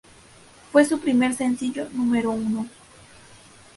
Fue su primer sencillo número uno.